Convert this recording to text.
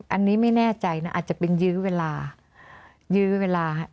อันนี้ไม่แน่ใจนะอาจจะเป็นยื้อเวลายื้อเวลา